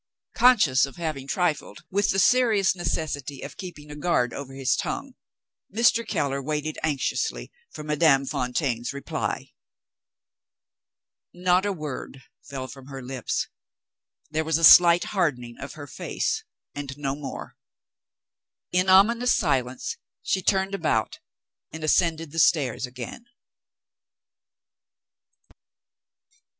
Conscious of having trifled with the serious necessity of keeping a guard over his tongue, Mr. Keller waited anxiously for Madame Fontaine's reply. Not a word fell from her lips. There was a slight hardening of her face, and no more. In ominous silence, she turned about and ascended the stairs again.